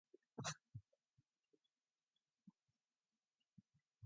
From Ephesus the gospel spread abroad almost throughout all Asia.